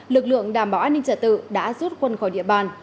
lực lượng đảm bảo an ninh trả tự đã rút quân khỏi địa bàn